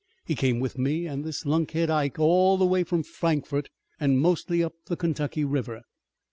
"He came with me an' this lunkhead, Ike, all the way from Frankfort and mostly up the Kentucky River.